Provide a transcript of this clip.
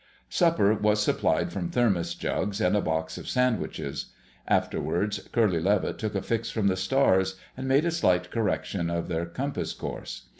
Supper was supplied from thermos jugs and a box of sandwiches. Afterwards, Curly Levitt took a fix from the stars, and made a slight correction in their compass course.